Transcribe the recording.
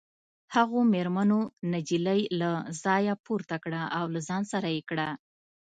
هغو مېرمنو نجلۍ له ځایه پورته کړه او له ځان سره یې کړه